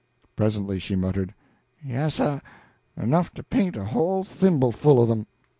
Presently she muttered. "Yassir, enough to paint a whole thimbleful of 'em."